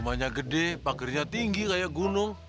rumahnya gede pakernya tinggi kayak gunung